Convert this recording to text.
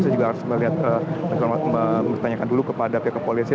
saya juga harus melihat menanyakan dulu kepada phk polisi